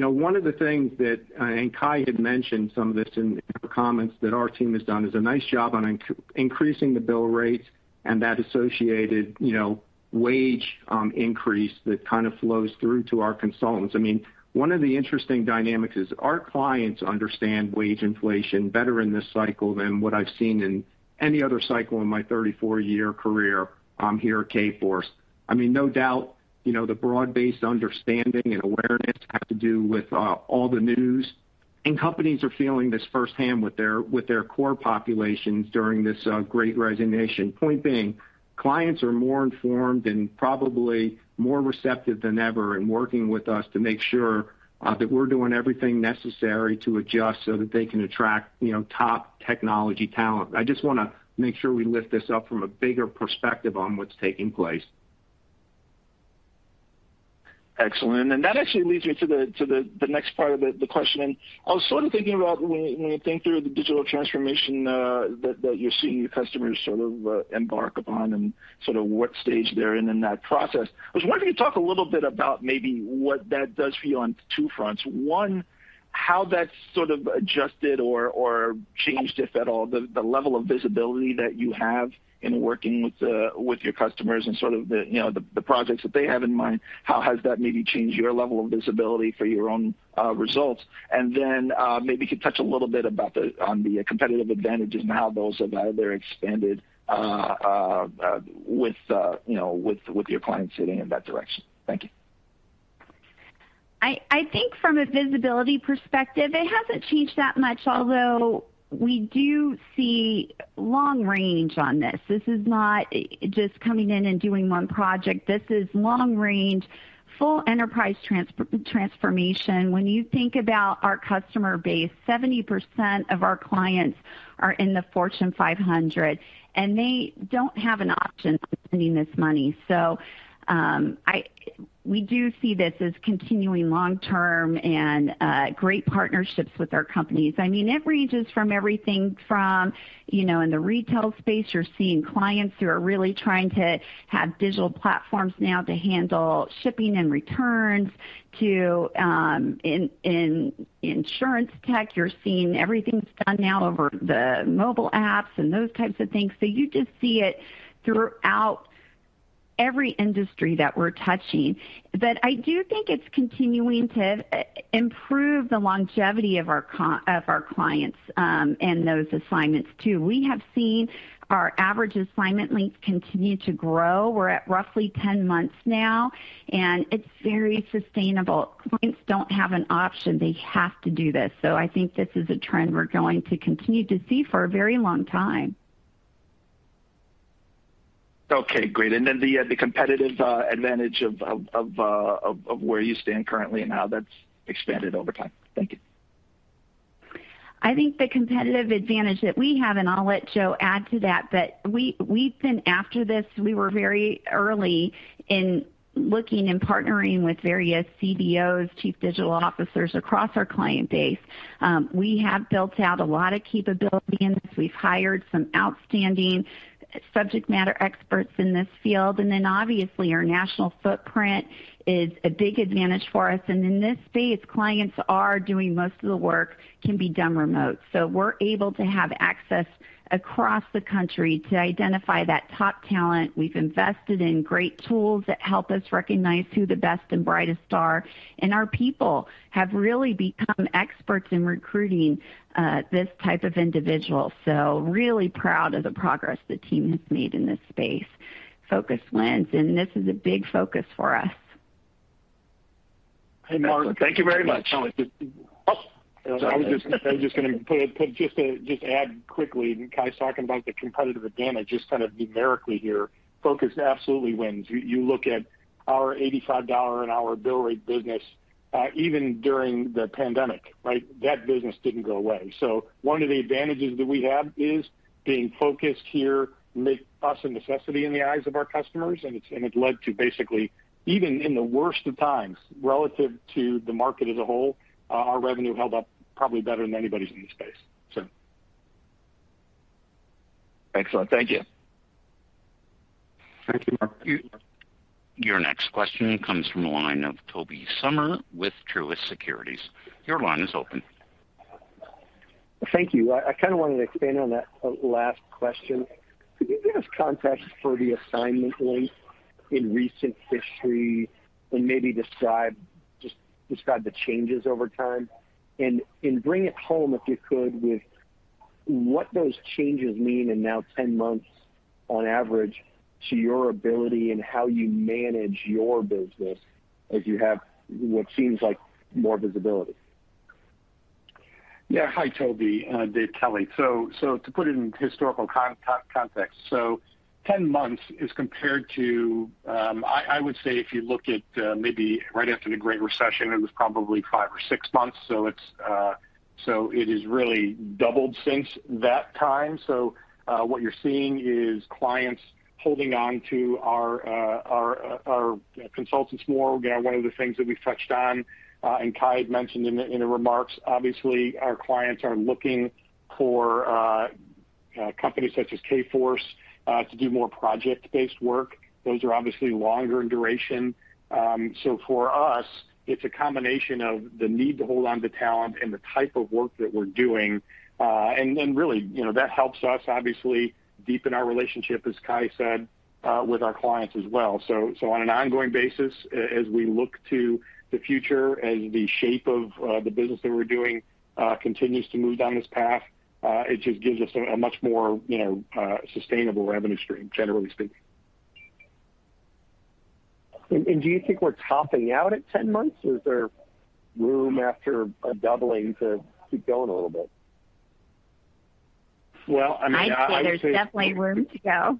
know, one of the things that Kye had mentioned some of this in her comments that our team has done, is a nice job on increasing the bill rates and that associated, you know, wage increase that kind of flows through to our consultants. I mean, one of the interesting dynamics is our clients understand wage inflation better in this cycle than what I've seen in any other cycle in my 34-year career, here at Kforce. I mean, no doubt, you know, the broad-based understanding and awareness have to do with all the news. Companies are feeling this firsthand with their core populations during this Great Resignation. Point being, clients are more informed and probably more receptive than ever in working with us to make sure that we're doing everything necessary to adjust so that they can attract, you know, top technology talent. I just wanna make sure we lift this up from a bigger perspective on what's taking place. Excellent. That actually leads me to the next part of the question. I was sort of thinking about when you think through the digital transformation that you're seeing your customers sort of embark upon and sort of what stage they're in that process. I was wondering if you talk a little bit about maybe what that does for you on two fronts. One, how that sort of adjusted or changed, if at all, the level of visibility that you have in working with your customers and sort of the you know the projects that they have in mind. How has that maybe changed your level of visibility for your own results? Maybe you could touch a little bit on the competitive advantages and how those have either expanded with, you know, with your clients heading in that direction. Thank you. I think from a visibility perspective, it hasn't changed that much, although we do see long range on this. This is not just coming in and doing one project. This is long range, full enterprise transformation. When you think about our customer base, 70% of our clients are in the Fortune 500, and they don't have an option on spending this money. We do see this as continuing long term and great partnerships with our companies. I mean, it ranges from everything from, you know, in the retail space, you're seeing clients who are really trying to have digital platforms now to handle shipping and returns to in insurance tech, you're seeing everything's done now over the mobile apps and those types of things. You just see it throughout every industry that we're touching. I do think it's continuing to improve the longevity of our clients and those assignments too. We have seen our average assignment length continue to grow. We're at roughly 10 months now, and it's very sustainable. Clients don't have an option. They have to do this. I think this is a trend we're going to continue to see for a very long time. Okay, great. Then the competitive advantage of where you stand currently and how that's expanded over time. Thank you. I think the competitive advantage that we have, and I'll let Joe Liberatore add to that, but we've been after this. We were very early in looking and partnering with various CDOs, Chief Digital Officers across our client base. We have built out a lot of capabilities. We've hired some outstanding subject matter experts in this field. Obviously, our national footprint is a big advantage for us. In this space, most of the work can be done remotely. We're able to have access across the country to identify that top talent. We've invested in great tools that help us recognize who the best and brightest are. Our people have really become experts in recruiting this type of individual. Really proud of the progress the team has made in this space. Focus wins, and this is a big focus for us. Hey, Mark. Thank you very much. I'm just gonna add quickly, Kye's talking about the competitive advantage, just kind of numerically here. Focus absolutely wins. You look at our $85 an hour bill rate business, even during the pandemic, right? That business didn't go away. One of the advantages that we have is being focused here make us a necessity in the eyes of our customers, and it led to basically, even in the worst of times, relative to the market as a whole, our revenue held up probably better than anybody's in the space. Excellent. Thank you. Thank you, Mark. Your next question comes from the line of Tobey Sommer with Truist Securities. Your line is open. Thank you. I kinda wanted to expand on that last question. Could you give us context for the assignment length in recent history and maybe describe the changes over time? Bring it home, if you could, with what those changes mean in now 10 months on average to your ability and how you manage your business as you have what seems like more visibility. Yeah. Hi, Tobey. Dave Kelly. To put it in historical context, 10 months is compared to, I would say if you look at, maybe right after the Great Recession, it was probably five or six months. It has really doubled since that time. What you're seeing is clients holding on to our consultants more. Again, one of the things that we touched on, and Kye had mentioned in the remarks, obviously, our clients are looking for companies such as Kforce to do more project-based work. Those are obviously longer in duration. For us, it's a combination of the need to hold on to talent and the type of work that we're doing. Really, you know, that helps us obviously deepen our relationship, as Kye said, with our clients as well. On an ongoing basis, as we look to the future, as the shape of the business that we're doing continues to move down this path, it just gives us a much more, you know, sustainable revenue stream, generally speaking. Do you think we're topping out at 10 months? Is there room after a doubling to keep going a little bit? Well, I mean, I think. I'd say there's definitely room to go.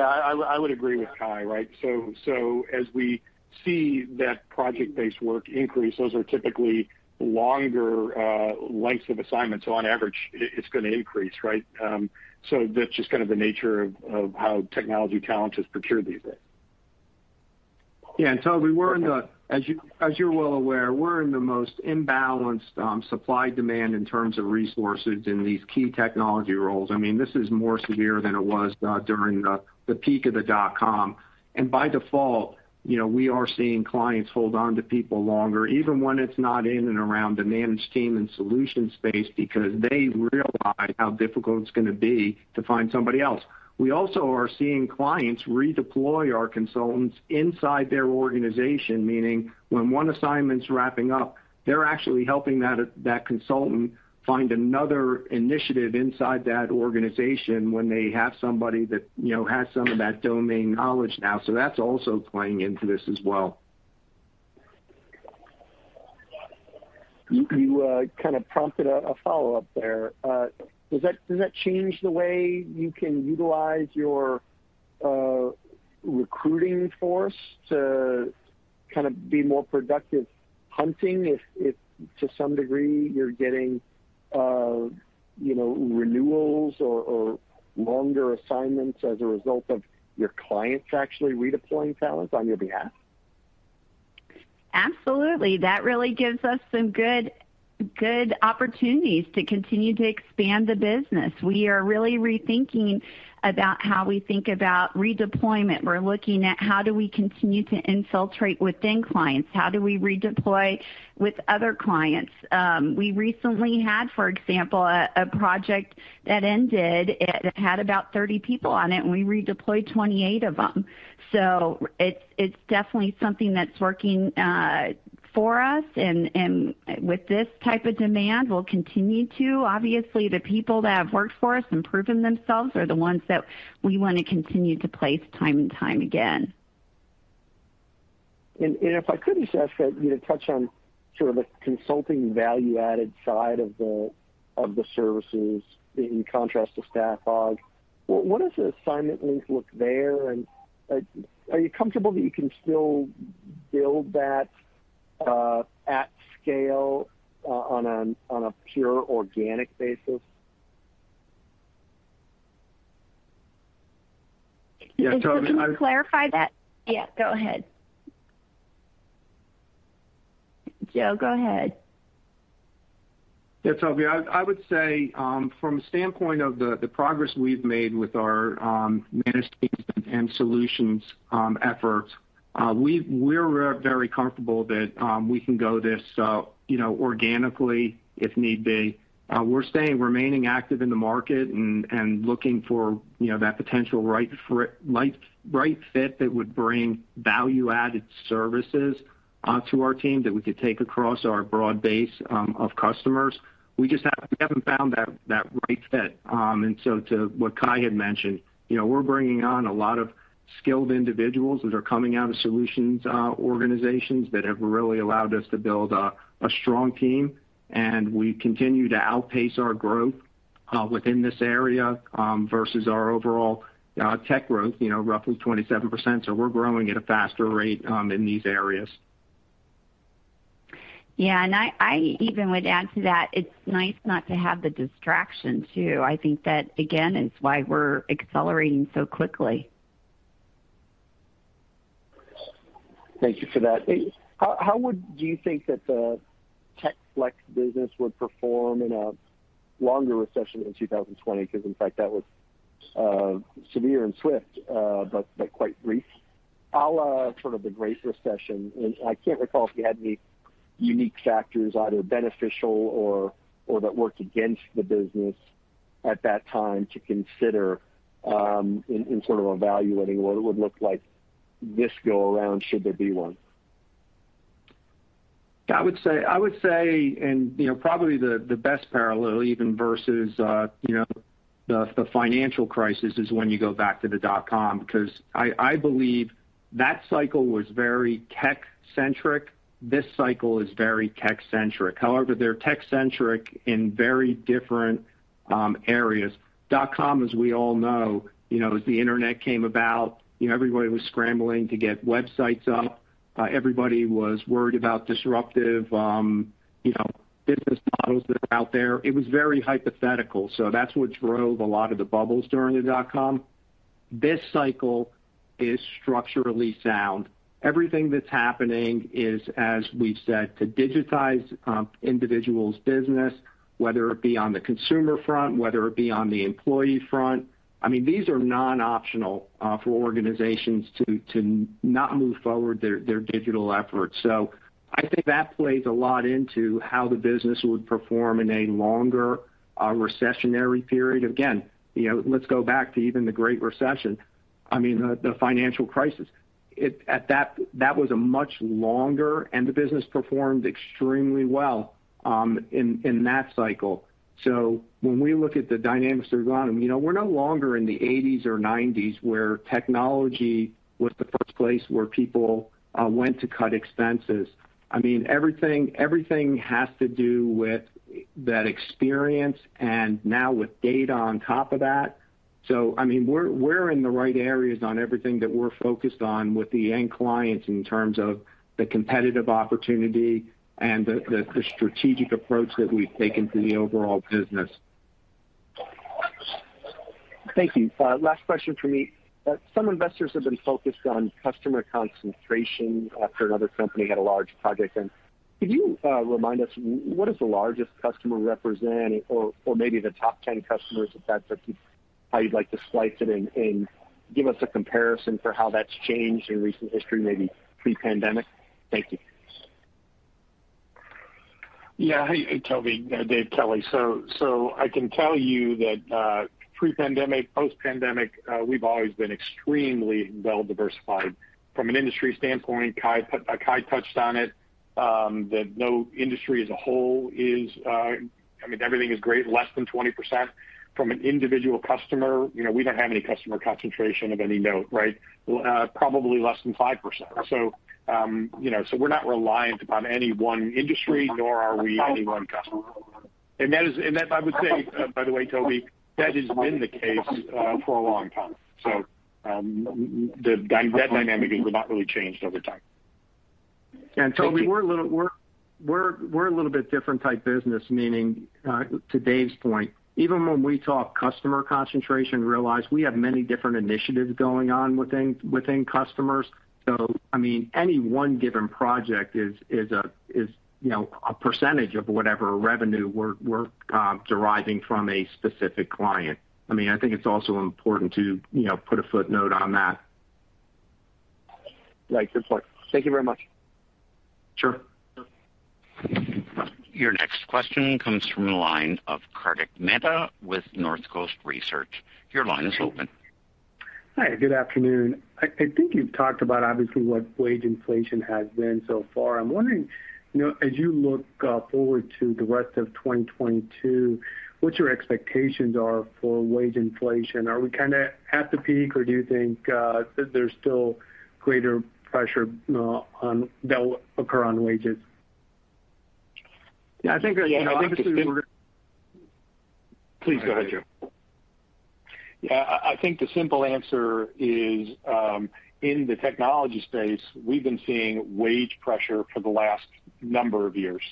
I would agree with Kye, right? As we see that project-based work increase, those are typically longer lengths of assignments. On average, it's gonna increase, right? That's just kind of the nature of how technology talent is procured these days. Yeah. Tobey, as you're well aware, we're in the most imbalanced supply-demand in terms of resources in these key technology roles. I mean, this is more severe than it was during the peak of the dot-com. By default, you know, we are seeing clients hold on to people longer, even when it's not in and around the managed teams and solutions space, because they realize how difficult it's gonna be to find somebody else. We also are seeing clients redeploy our consultants inside their organization, meaning when one assignment's wrapping up, they're actually helping that consultant find another initiative inside that organization when they have somebody that, you know, has some of that domain knowledge now. That's also playing into this as well. You kind of prompted a follow-up there. Does that change the way you can utilize your recruiting force to kind of be more productive hunting if to some degree you're getting you know renewals or longer assignments as a result of your clients actually redeploying talent on your behalf? Absolutely. That really gives us some good opportunities to continue to expand the business. We are really rethinking about how we think about redeployment. We're looking at how do we continue to infiltrate within clients? How do we redeploy with other clients? We recently had, for example, a project that ended. It had about 30 people on it, and we redeployed 28 of them. It's definitely something that's working for us. With this type of demand, we'll continue to. Obviously, the people that have worked for us and proven themselves are the ones that we wanna continue to place time and time again. If I could just ask you to touch on sort of the consulting value-added side of the services in contrast to staff augmentation. What does the assignment length look like there? Are you comfortable that you can still build that at scale on a pure organic basis? Yeah, Tobey, Can you clarify that? Yeah, go ahead. Joe, go ahead. Yeah, Tobey, I would say from a standpoint of the progress we've made with our managed teams and solutions efforts, we're very comfortable that we can go this you know organically if need be. We're remaining active in the market and looking for you know that potential right fit that would bring value added services to our team that we could take across our broad base of customers. We haven't found that right fit. To what Kye had mentioned, you know, we're bringing on a lot of skilled individuals that are coming out of solutions organizations that have really allowed us to build a strong team. We continue to outpace our growth within this area versus our overall tech growth, you know, roughly 27%. We're growing at a faster rate in these areas. Yeah. I even would add to that, it's nice not to have the distraction, too. I think that, again, is why we're accelerating so quickly. Thank you for that. How would you think that the Technology Flex business would perform in a longer recession in 2020? 'Cause in fact, that was severe and swift, but quite brief. A la sort of the Great Recession, and I can't recall if you had any unique factors, either beneficial or that worked against the business at that time to consider, in sort of evaluating what it would look like this go around should there be one. I would say, you know, probably the best parallel even versus the financial crisis is when you go back to the dot-com, because I believe that cycle was very tech-centric. This cycle is very tech-centric. However, they're tech-centric in very different areas. Dot-com, as we all know, as the internet came about, everybody was scrambling to get websites up. Everybody was worried about disruptive business models that are out there. It was very hypothetical. That's what drove a lot of the bubbles during the dot-com. This cycle is structurally sound. Everything that's happening is, as we've said, to digitize individuals' business, whether it be on the consumer front, whether it be on the employee front. I mean, these are non-optional for organizations to not move forward their digital efforts. I think that plays a lot into how the business would perform in a longer recessionary period. Again, let's go back to even the Great Recession. I mean, the financial crisis. That was a much longer, and the business performed extremely well in that cycle. When we look at the dynamics that are going on, we're no longer in the 1980s or 1990s where technology was the first place where people went to cut expenses. I mean, everything has to do with that experience, and now with data on top of that. I mean, we're in the right areas on everything that we're focused on with the end clients in terms of the competitive opportunity and the strategic approach that we've taken to the overall business. Thank you. Last question for me. Some investors have been focused on customer concentration after another company had a large project. Could you remind us what does the largest customer represent or maybe the top ten customers, if that's how you'd like to slice it, and give us a comparison for how that's changed in recent history, maybe pre-pandemic? Thank you. Yeah. Hey, Tobey. Dave Kelly. I can tell you that pre-pandemic, post-pandemic, we've always been extremely well diversified from an industry standpoint. Kye touched on it that no industry as a whole is. I mean, everything is great, less than 20% from an individual customer. You know, we don't have any customer concentration of any note, right? Probably less than 5%. You know, we're not reliant upon any one industry, nor are we any one customer. That, I would say, by the way, Tobey, has been the case for a long time. That dynamic has not really changed over time. Tobey, we're a little bit different type business, meaning, to Dave's point, even when we talk customer concentration, realize we have many different initiatives going on within customers. I mean, any one given project is, you know, a percentage of whatever revenue we're deriving from a specific client. I mean, I think it's also important to, you know, put a footnote on that. Right. Good point. Thank you very much. Sure. Sure. Your next question comes from the line of Kartik Mehta with Northcoast Research. Your line is open. Hi, good afternoon. I think you've talked about obviously what wage inflation has been so far. I'm wondering, you know, as you look forward to the rest of 2022, what your expectations are for wage inflation. Are we kinda at the peak, or do you think that there's still greater pressure that will occur on wages? Yeah, I think, you know, obviously we're. Yeah, I think the simple. Please go ahead, Joe. Yeah. I think the simple answer is, in the technology space, we've been seeing wage pressure for the last number of years,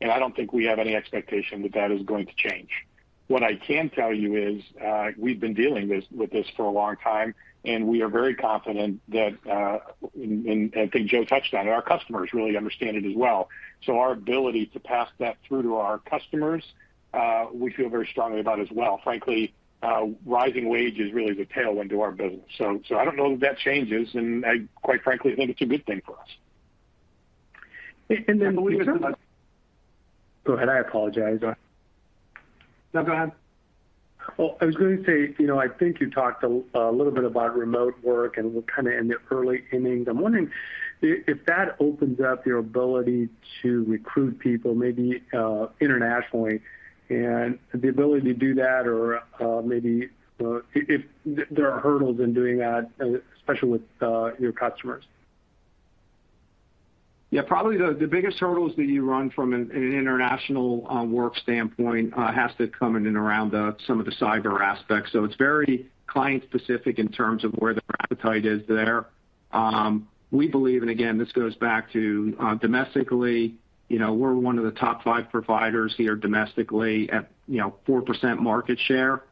and I don't think we have any expectation that that is going to change. What I can tell you is, we've been dealing with this for a long time, and we are very confident that, and I think Joe touched on it, our customers really understand it as well. Our ability to pass that through to our customers, we feel very strongly about as well. Frankly, rising wage is really the tailwind to our business. I don't know that that changes, and I quite frankly think it's a good thing for us. And then- Believe it or not. Go ahead, I apologize. No, go ahead. Well, I was gonna say, you know, I think you talked a little bit about remote work, and we're kinda in the early innings. I'm wondering if that opens up your ability to recruit people maybe internationally and the ability to do that or maybe if there are hurdles in doing that, especially with your customers. Yeah, probably the biggest hurdles that you run from an international work standpoint has to come in and around some of the cyber aspects. It's very client-specific in terms of where their appetite is there. We believe, and again, this goes back to domestically, you know, we're one of the top five providers here domestically at, you know, 4% market share.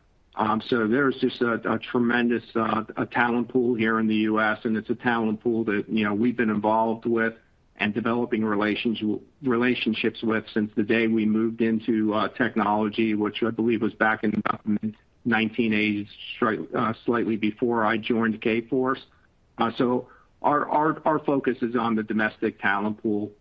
There's just a tremendous talent pool here in the U.S., and it's a talent pool that, you know, we've been involved with and developing relationships with since the day we moved into technology, which I believe was back in about the 1980s, slightly before I joined Kforce. Our focus is on the domestic talent pool.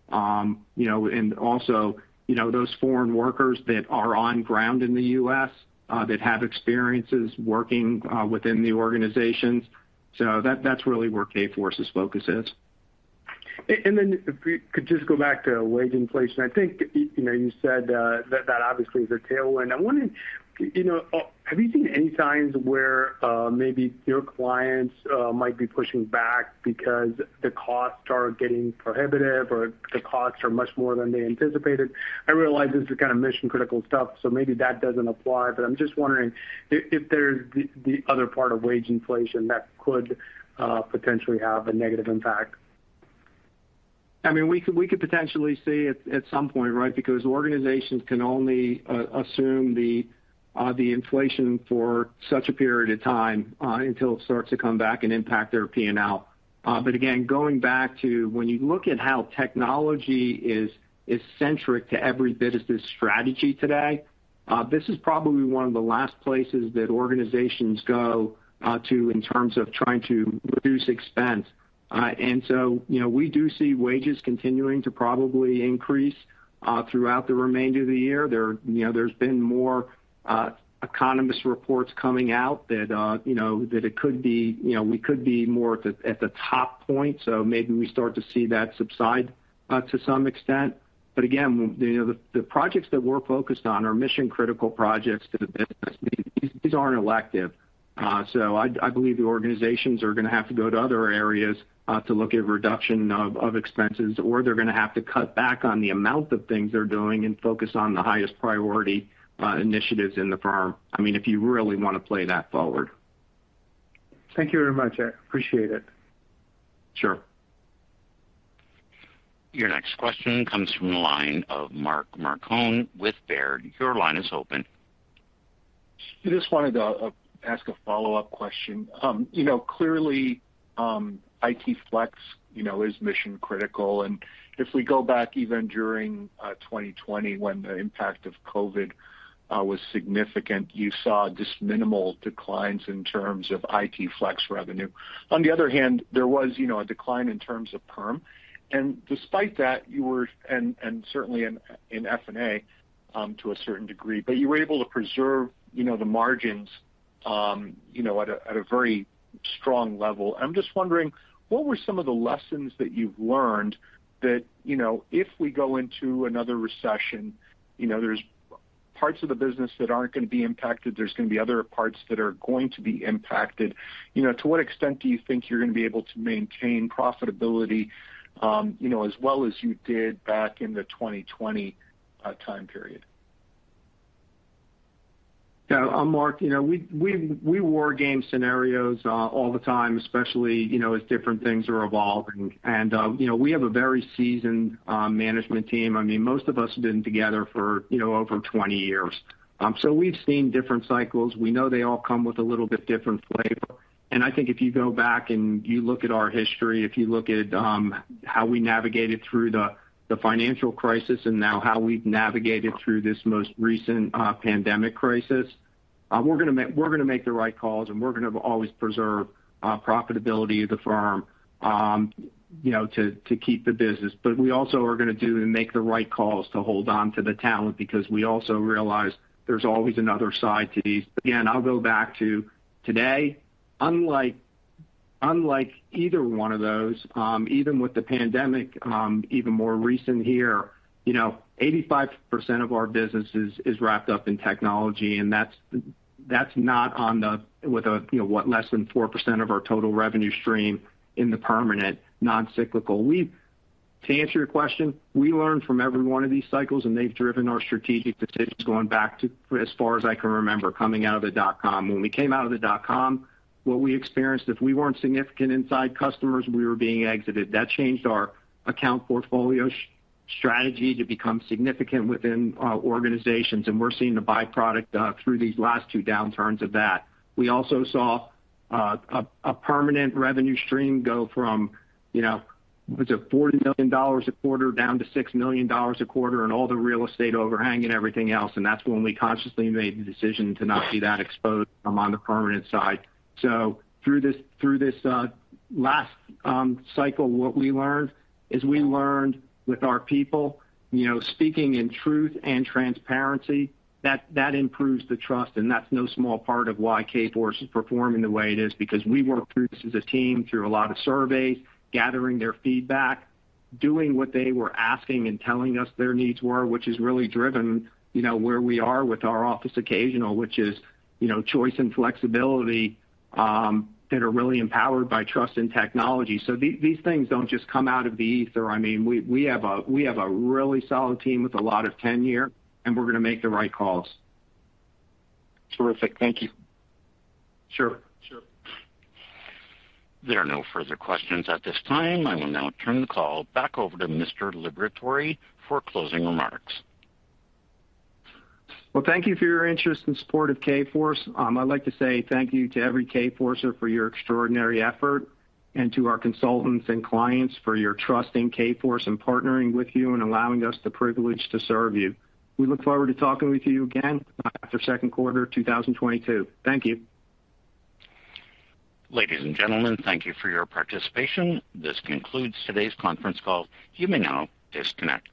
You know, those foreign workers that are on ground in the U.S., that have experiences working within the organizations. That's really where Kforce's focus is. Then if we could just go back to wage inflation. I think, you know, you said that that obviously is a tailwind. I'm wondering, you know, have you seen any signs where maybe your clients might be pushing back because the costs are getting prohibitive or the costs are much more than they anticipated? I realize this is kind of mission-critical stuff, so maybe that doesn't apply, but I'm just wondering if there's the other part of wage inflation that could potentially have a negative impact. I mean, we could potentially see it at some point, right? Because organizations can only assume the inflation for such a period of time until it starts to come back and impact their P&L. But again, going back to when you look at how technology is centric to every business strategy today, this is probably one of the last places that organizations go to in terms of trying to reduce expense. And so, you know, we do see wages continuing to probably increase throughout the remainder of the year. There you know there's been more economist reports coming out that you know that it could be you know we could be more at the top point, so maybe we start to see that subside to some extent. Again, you know, the projects that we're focused on are mission-critical projects to the business. These aren't elective. I believe the organizations are gonna have to go to other areas to look at reduction of expenses or they're gonna have to cut back on the amount of things they're doing and focus on the highest priority initiatives in the firm. I mean, if you really wanna play that forward. Thank you very much. I appreciate it. Sure. Your next question comes from the line of Mark Marcon with Baird. Your line is open. I just wanted to ask a follow-up question. You know, clearly, IT Flex, you know, is mission critical, and if we go back even during 2020 when the impact of COVID was significant, you saw just minimal declines in terms of IT Flex revenue. On the other hand, there was, you know, a decline in terms of perm. Despite that, certainly in F&A to a certain degree, but you were able to preserve, you know, the margins, you know, at a very strong level. I'm just wondering what were some of the lessons that you've learned that, you know, if we go into another recession, you know, there's parts of the business that aren't gonna be impacted, there's gonna be other parts that are going to be impacted. You know, to what extent do you think you're gonna be able to maintain profitability, you know, as well as you did back in the 2020 time period? Yeah. Mark, you know, we war game scenarios all the time, especially, you know, as different things are evolving. You know, we have a very seasoned management team. I mean, most of us have been together for, you know, over 20 years. So we've seen different cycles. We know they all come with a little bit different flavor. I think if you go back and you look at our history, if you look at how we navigated through the financial crisis and now how we've navigated through this most recent pandemic crisis, we're gonna make the right calls, and we're gonna always preserve profitability of the firm, you know, to keep the business. We also are gonna do and make the right calls to hold on to the talent because we also realize there's always another side to these. Again, I'll go back to today. Unlike either one of those, even with the pandemic, even more recent here, you know, 85% of our business is wrapped up in technology, and that's not with less than 4% of our total revenue stream in the permanent non-cyclical. To answer your question, we learn from every one of these cycles, and they've driven our strategic decisions going back to as far as I can remember, coming out of the dot-com. When we came out of the dot-com, what we experienced, if we weren't significant inside customers, we were being exited. That changed our account portfolio strategy to become significant within organizations, and we're seeing the byproduct through these last two downturns of that. We also saw a permanent revenue stream go from, you know, was it $40 million a quarter down to $6 million a quarter and all the real estate overhang and everything else, and that's when we consciously made the decision to not be that exposed among the permanent side. Through this last cycle, what we learned with our people, you know, speaking in truth and transparency, that improves the trust, and that's no small part of why Kforce is performing the way it is. Because we worked through this as a team through a lot of surveys, gathering their feedback, doing what they were asking and telling us their needs were, which has really driven, you know, where we are with our Office Occasional, which is, you know, choice and flexibility that are really empowered by trust and technology. These things don't just come out of the ether. I mean, we have a really solid team with a lot of tenure, and we're gonna make the right calls. Terrific. Thank you. Sure. Sure. There are no further questions at this time. I will now turn the call back over to Mr. Liberatore for closing remarks. Well, thank you for your interest and support of Kforce. I'd like to say thank you to every Kforcer for your extraordinary effort and to our consultants and clients for your trust in Kforce and partnering with you and allowing us the privilege to serve you. We look forward to talking with you again after second quarter 2022. Thank you. Ladies and gentlemen, thank you for your participation. This concludes today's conference call. You may now disconnect.